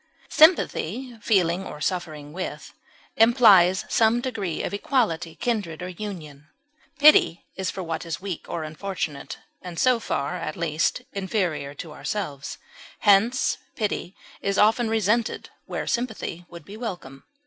Sympathy (feeling or suffering with) implies some degree of equality, kindred, or union; pity is for what is weak or unfortunate, and so far, at least, inferior to ourselves; hence, pity is often resented where sympathy would be welcome.